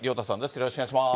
よろしくお願いします。